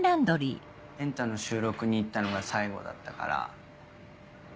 『エンタ』の収録に行ったのが最後だったから。